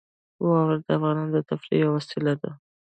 واوره د افغانانو د تفریح یوه وسیله ده.